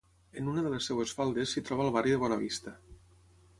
En una de les seves faldes s'hi troba el barri de Bonavista.